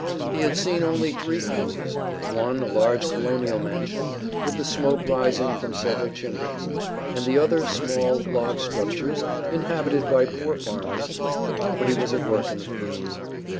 He had seen only three houses, one a large colonial mansion, with the smoke rising from several chimneys, and the others small log structures inhabited by poor farmers, but nobody was at work in the fields.